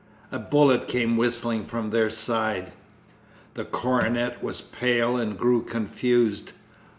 A bullet came whistling from their side. The cornet was pale and grew confused.